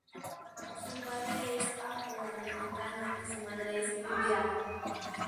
Su padre es afroamericano y su madre es judía.